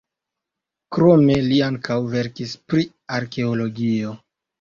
Krome li ankaŭ verkis pri arkeologio.